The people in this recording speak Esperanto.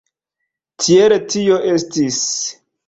Tiel tio estis.